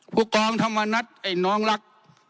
ผู้กองธรรมนัฐไอ้น้องรัก